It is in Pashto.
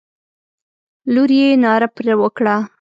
لور یې ناره پر وکړه.